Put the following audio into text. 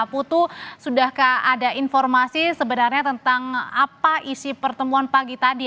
putu sudahkah ada informasi sebenarnya tentang apa isi pertemuan pagi tadi